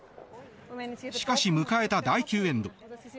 しかし、迎えた第９エンド。